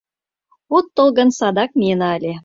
От тол гын, садак миена ыле.